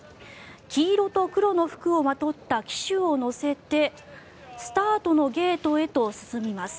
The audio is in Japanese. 黄色と黒の服をまとった騎手を乗せてスタートのゲートへと進みます。